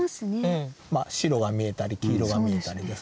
白が見えたり黄色が見えたりですね。